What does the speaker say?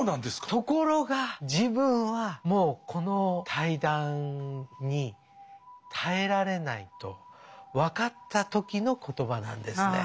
ところが自分はもうこの対談に耐えられないと分かった時の言葉なんですね。